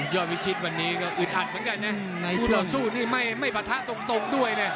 วิชิตวันนี้ก็อึดอัดเหมือนกันนะคู่ต่อสู้นี่ไม่ปะทะตรงด้วยนะ